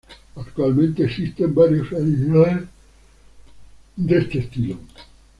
Actualmente existen varios seguidores de este estilo.